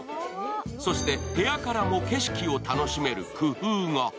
そして部屋からも景色を楽しめる工夫が。